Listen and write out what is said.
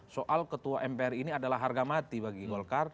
soal ketua mpr ini adalah harga mati bagi golkar